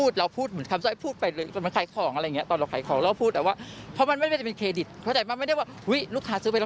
เดี๋ยวเริ่มดีกว่า